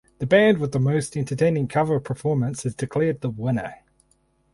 The band with most entertaining cover performance is declared the winner.